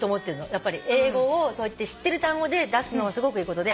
やっぱり英語をそうやって知ってる単語で出すのはすごくいいことで。